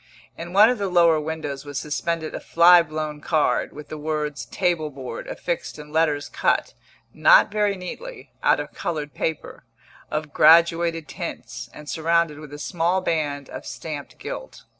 In one of the lower windows was suspended a fly blown card, with the words "Table Board" affixed in letters cut (not very neatly) out of coloured paper, of graduated tints, and surrounded with a small band of stamped gilt.